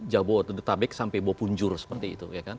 jabo tudutabek sampai bopunjur seperti itu